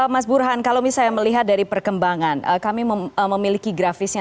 mas burhan kalau misalnya melihat dari perkembangan kami memiliki grafisnya